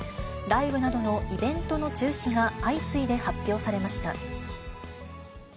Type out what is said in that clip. ライブなどのイベントの中止が相次いで発表されました。